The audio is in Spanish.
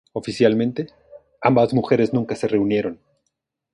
Oficialmente, ambas mujeres nunca se reunieron.